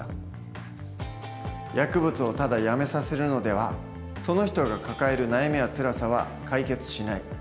「薬物をただやめさせるのではその人が抱える悩みやつらさは解決しない。